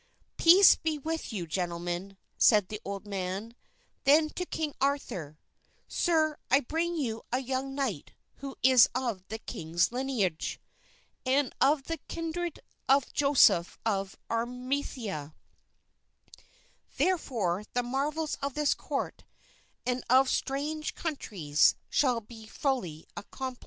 "Peace be with you, gentlemen," said the old man; then to King Arthur, "Sir, I bring you a young knight who is of king's lineage, and of the kindred of Joseph of Arimathea; therefore the marvels of this court, and of strange countries, shall be fully accomplished."